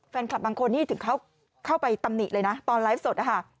แฟนคลับบางคนนี่ถึงเข้าไปตำหนิเลยนะตอนไลฟ์สดนะคะ